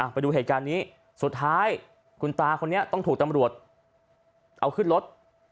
ไปดูเหตุการณ์นี้สุดท้ายคุณตาคนนี้ต้องถูกตำรวจเอาขึ้นรถ